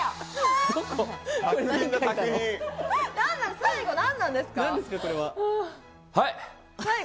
最後何なんですか？